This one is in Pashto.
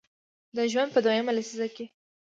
د ژوند په دویمه لسیزه کې